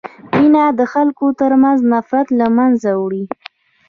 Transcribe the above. مینه د خلکو ترمنځ نفرت له منځه وړي.